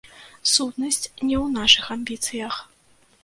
Сутнасць не ў нашых амбіцыях.